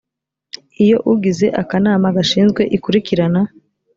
iyo ugize akanama gashinzwe ikurikirana